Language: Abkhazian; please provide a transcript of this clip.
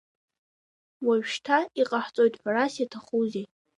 Уажәшьҭа иҟаҳҵоит, ҳәарас иаҭахузеи!